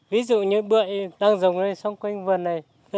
ví dụ như bựa đang rồng lên sông quyền vườn này